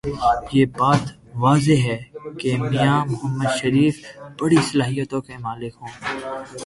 یہ بات واضح ہے کہ میاں محمد شریف بڑی صلاحیتوں کے مالک ہوں۔